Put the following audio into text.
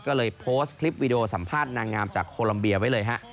ก็เลยโพสต์คลิปวิดีโอสัมภาษณ์นางงามจากโคลัมเบียไว้เลยฮะ